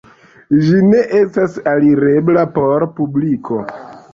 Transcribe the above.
Ĝi ne estas alirebla por publiko.